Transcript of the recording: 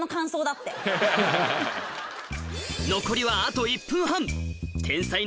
残りはあと１分半